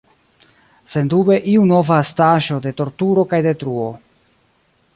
Sendube iu nova estaĵo de torturo kaj detruo.